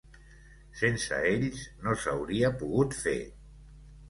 Sense ells no s’hauria pogut fer.